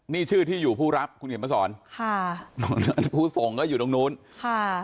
นี่ชื่อที่อยู่ผู้รับคุณเขียนมาสอนค่ะผู้ส่งก็อยู่ตรงนู้นค่ะ